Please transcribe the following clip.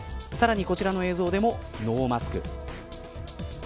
さらにこちらの映像でもノーマスク。